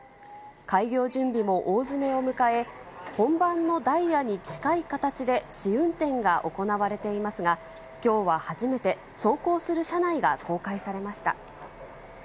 開業準備も大詰めを迎え、本番のダイヤに近い形で、試運転が行われていますが、きょうは初めて、走行する車内が公開されました。